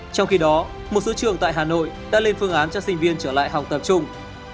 trong khi đó một số trường tại hà nội đã lên phương án cho sinh viên trở lại học tập trung